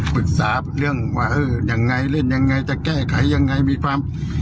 ปรึกษาเรื่องว่าเออยังไงเล่นยังไงจะแก้ไขยังไงมีความ